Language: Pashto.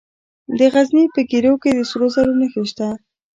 د غزني په ګیرو کې د سرو زرو نښې شته.